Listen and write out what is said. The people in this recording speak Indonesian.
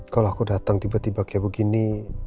kalau aku datang tiba tiba kayak begini